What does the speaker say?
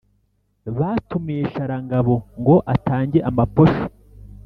Batumiye Sharangabo, ngo atange amaposho